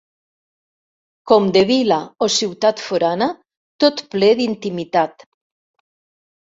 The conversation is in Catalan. Com de vila o ciutat forana, tot ple d'intimitat